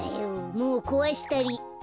もうこわしたり。